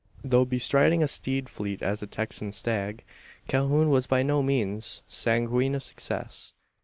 Though bestriding a steed fleet as a Texan stag, Calhoun was by no means sanguine of success.